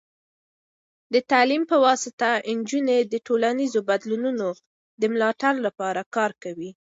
د تعلیم په واسطه، نجونې د ټولنیزو بدلونونو د ملاتړ لپاره کار کوي.